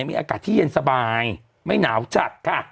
มีอากาศที่เย็นสบายไม่หนาวจัดค่ะ